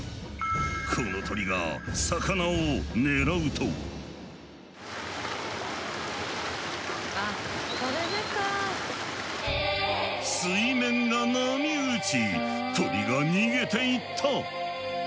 この鳥が水面が波打ち鳥が逃げていった。